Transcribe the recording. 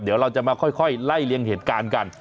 เดี๋ยวเราจะมาค่อยไล่เลี่ยงเหตุการณ์กัน